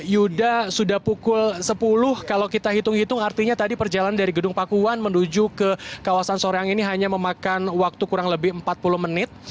yuda sudah pukul sepuluh kalau kita hitung hitung artinya tadi perjalanan dari gedung pakuan menuju ke kawasan soreang ini hanya memakan waktu kurang lebih empat puluh menit